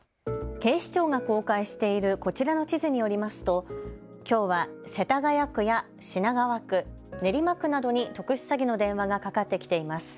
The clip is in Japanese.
警視庁が公開しているこちらの地図によりますときょうは世田谷区や品川区、練馬区などに特殊詐欺の電話がかかってきています。